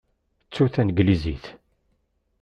Ttu taneglizit.